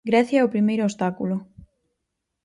Grecia é o primeiro obstáculo.